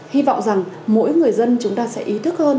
hy vọng rằng mỗi người dân chúng ta sẽ ý thức hơn